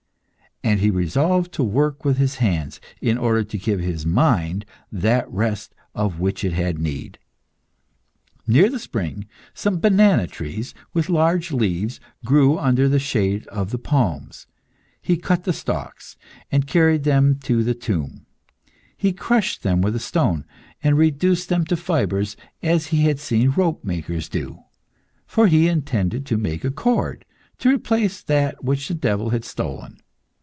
And he resolved to work with his hands, in order to give his mind that rest of which it had need. Near the spring, some banana trees, with large leaves, grew under the shade of the palms. He cut the stalks, and carried them to the tomb. He crushed them with a stone, and reduced them to fibres, as he had seen ropemakers do. For he intended to make a cord, to replace that which the devil had stolen.